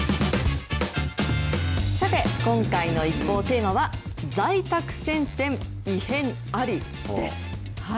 さて今回のＩＰＰＯＵ、テーマは在宅戦線異変あり！です。